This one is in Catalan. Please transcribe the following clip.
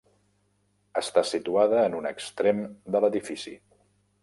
Està situada en un extrem de l'edifici.